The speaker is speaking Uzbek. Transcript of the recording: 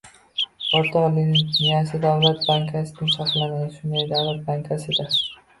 — O’rtoq Leninni miyasi... Davlat Bankasida saqlanadi, shunday, Davlat Bankasida.